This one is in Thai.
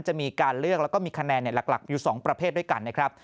จะมีการเลือกแล้วก็มีคะแนนหลักอยู่๒ประเภทด้วยกันนะครับ